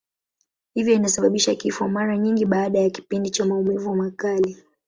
Hivyo inasababisha kifo, mara nyingi baada ya kipindi cha maumivu makali.